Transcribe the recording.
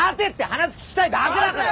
話聞きたいだけだから！